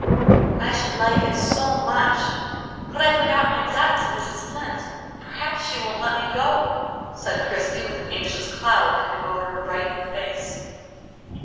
"I should like it so much! But I forgot my debt to Mrs. Flint; perhaps she won't let me go," said Christie, with an anxious cloud coming over her brightening face.